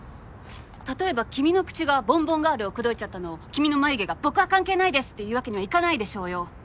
例えば君の口がボンボンガールを口説いちゃったのを君の眉毛が僕は関係ないです！って言うわけにはいかないでしょうよ。